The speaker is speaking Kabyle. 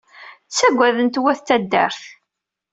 Ttaggaden-t wayt taddart.